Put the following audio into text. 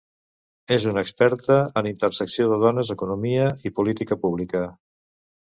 És una experta en intersecció de dones, economia i política pública.